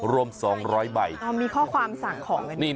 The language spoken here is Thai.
รวม๒๐๐ใบ